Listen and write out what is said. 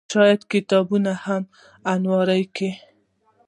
شايد کتابونه هم په المارۍ کې